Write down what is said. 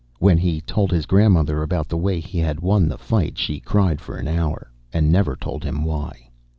When he told his grandmother about the way he had won the fight she cried for an hour, and never told him why.